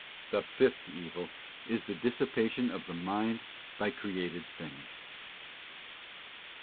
The fifth evil is the dissipation of the mind by created things.